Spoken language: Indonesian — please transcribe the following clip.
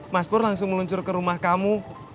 mas pur langsung meluncur ke rumah kamu